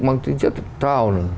mặc tính chất thật thao